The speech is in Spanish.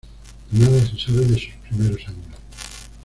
Nada se sabe de sus primeros años.